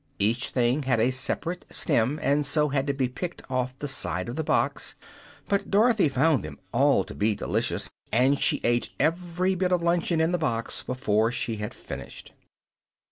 Each thing had a separate stem, and so had to be picked off the side of the box; but Dorothy found them all to be delicious, and she ate every bit of luncheon in the box before she had finished.